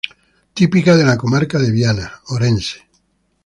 Típica de la comarca de Viana, Orense.